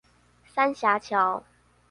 三峽橋